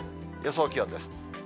予想気温です。